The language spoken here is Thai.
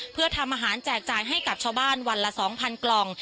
เพื่อทำอาหารแจกจ่ายให้กับชาวบ้านวันละ๒๐๐กล่อง